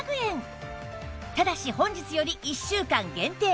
ただし本日より１週間限定！